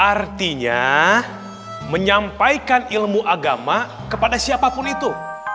artinya menyampaikan ilmu agama kepada siapapun itu